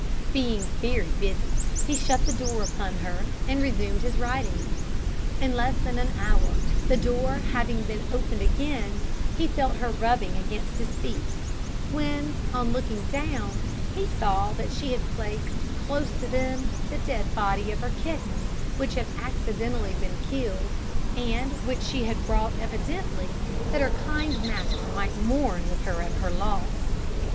Being very busy, he shut the door upon her, and resumed his writing. In less than an hour, the door having been opened again, he felt her rubbing against his feet; when, on looking down, he saw that she had placed close to them the dead body of her kitten, which had been accidentally killed, and which she had brought evidently that her kind master might mourn with her at her loss.